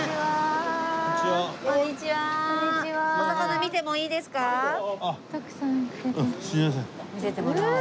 見せてもらおう。